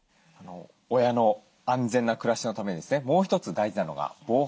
親の安全な暮らしのためにもう一つ大事なのが防犯対策です。